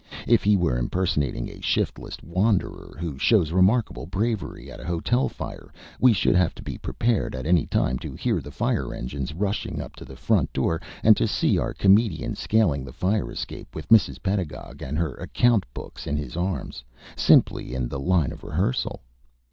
If he were impersonating a shiftless wanderer, who shows remarkable bravery at a hotel fire, we should have to be prepared at any time to hear the fire engines rushing up to the front door, and to see our comedian scaling the fire escape with Mrs. Pedagog and her account books in his arms, simply in the line of rehearsal.